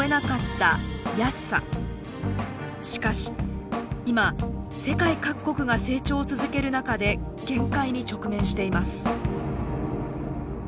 しかし今世界各国が成長を続ける中で限界に直面しています。